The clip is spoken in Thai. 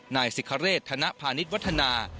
นายสิคเรศธนพาณิชย์วัฒนา